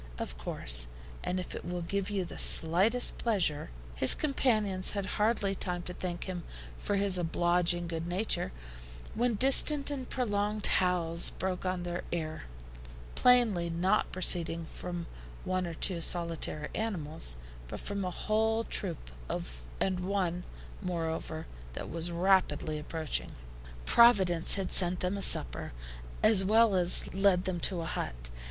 "Of course; and if it will give you the slightest pleasure " His companions had hardly time to thank him for his obliging good nature, when distant and prolonged howls broke on their ear, plainly not proceeding from one or two solitary animals, but from a whole troop, and one, moreover, that was rapidly approaching. Providence had sent them a supper, as well as led them to a hut.